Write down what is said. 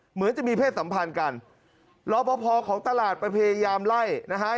เหมือนจะมีเพศสัมพันธ์กันรอปภของตลาดไปพยายามไล่นะฮะ